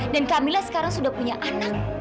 dan kamila sekarang sudah punya anak